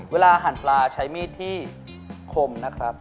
หั่นปลาใช้มีดที่คมนะครับ